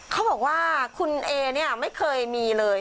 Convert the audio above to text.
เขาบอกว่าคุณเอเนี่ยไม่เคยมีเลย